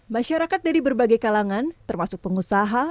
masyarakat dari berbagai kalangan termasuk pengusaha